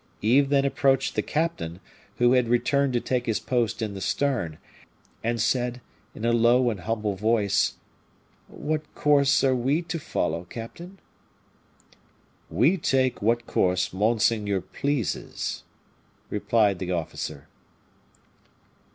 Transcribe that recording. Yves then approached the captain, who had returned to take his post in the stern, and said, in a low and humble voice, "What course are we to follow, captain?" "We take what course monseigneur pleases," replied the officer.